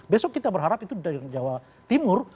besok kita berharap itu dari jawa timur